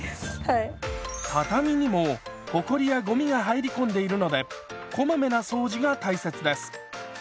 畳にもほこりやゴミが入り込んでいるのでこまめな掃除が大切です。